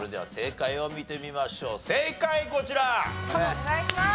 お願いします！